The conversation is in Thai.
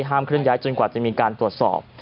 เคลื่อยจนกว่าจะมีการตรวจสอบ